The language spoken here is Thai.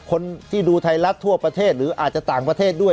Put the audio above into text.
คนที่ดูไทยรัฐทั่วประเทศหรืออาจจะต่างประเทศด้วย